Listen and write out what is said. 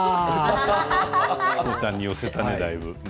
笑い声チコちゃんに寄せたねだいぶ。